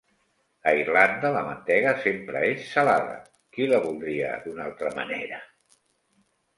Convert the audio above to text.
A Irlanda, la mantega sempre és salada. Qui la voldria d'una altra manera?